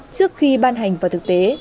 trước khi ban hành vào thực tế